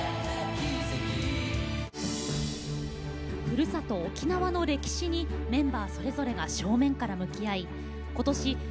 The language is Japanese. ふるさと・沖縄の歴史にメンバーそれぞれが正面から向き合いことし